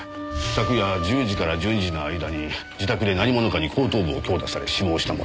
昨夜１０時から１２時の間に自宅で何者かに後頭部を強打され死亡した模様です。